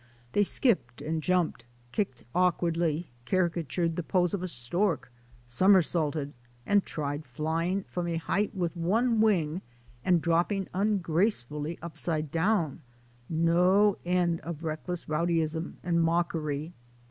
They skipped and jumped, kicked awkwardly, caricatured the pose of a stork, somersaulted, and tried flying from a height with one wing and dropping ungracefully upside down — no end of reckless rowdyism and mockery.